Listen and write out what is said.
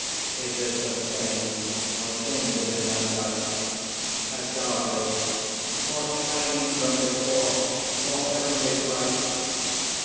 Is it the same, or changèd in thy sight? AGAVE. More shining than before, more heavenly bright!